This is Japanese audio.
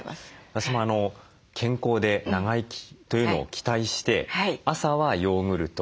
私も健康で長生きというのを期待して朝はヨーグルト